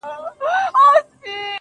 ښه نیت ارامي ورکوي.